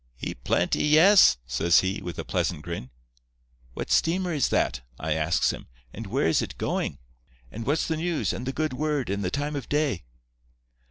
"'Heap plenty, yes,' says he, with a pleasant grin. "'What steamer is that?' I asks him, 'and where is it going? And what's the news, and the good word and the time of day?